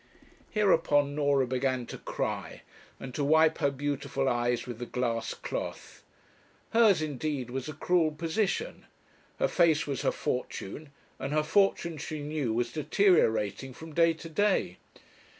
Hereupon Norah began to cry, and to wipe her beautiful eyes with the glass cloth. Hers, indeed, was a cruel position. Her face was her fortune, and her fortune she knew was deteriorating from day to day.